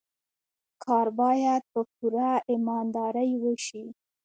کار باید په پوره ایماندارۍ وشي.